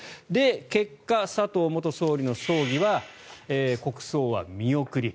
結果、佐藤元総理の葬儀は国葬は見送り。